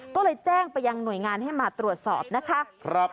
ก็เลยแจ้งไปยังหน่วยงานให้มาตรวจสอบนะคะ